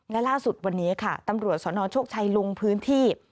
และล่าสุดวันนี้ค่ะตำรวจสนโชคชัยลงพื้นที่